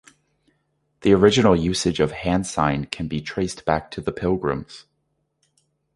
The original usage of hand sign can be traced back to the Pilgrims.